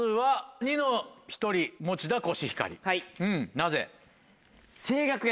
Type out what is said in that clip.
なぜ？